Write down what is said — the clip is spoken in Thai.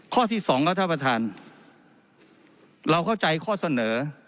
ข้อที่สองค่ะที่เราเข้าใจข้อเสนอ